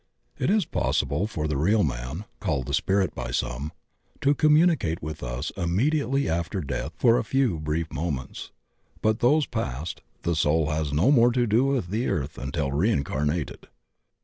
It is possible for the real man — called the spirit by some — ^to communicate with us immediately after death for a few brief moments, but, those passed, the soul has no more to do with earth until reincarnated.